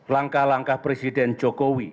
langkah langkah presiden jokowi